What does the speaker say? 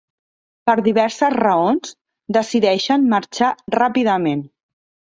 Per diverses raons, decideixen marxar ràpidament.